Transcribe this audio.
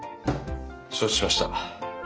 承知しました。